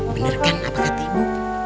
bener kan apa kat ibu